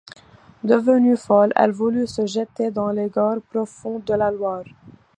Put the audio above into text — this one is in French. Devenue folle, elle voulut se jeter dans les gorges profondes de la Loire.